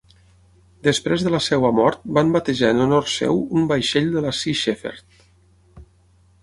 Després de la seva mort van batejar en honor seu un vaixell de Sea Shepherd.